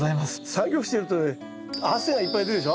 作業してるとね汗がいっぱい出るでしょ。